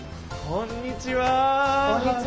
こんにちは！